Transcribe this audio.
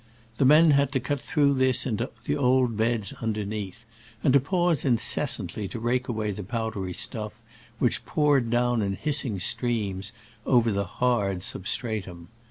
The men had to cut through this into the old beds underneath, and to pause incessantly to rake away the powdery stuff, which poured down in hissing streams over the hard substra tum.